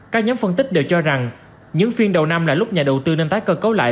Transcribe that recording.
các nhóm phân tích đều cho rằng những phiên đầu năm là lúc nhà đầu tư nên tái cơ cấu lại